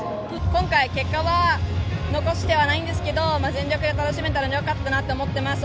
今回、結果は残してはないんですけど、全力で楽しめたのでよかったなと思っています。